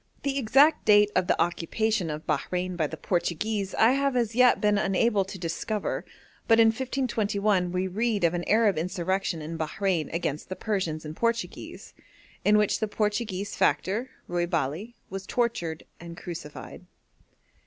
The exact date of the occupation of Bahrein by the Portuguese I have as yet been unable to discover; but in 1521 we read of an Arab insurrection in Bahrein against the Persians and Portuguese, in which the Portuguese factor, Ruy Bale, was tortured and crucified.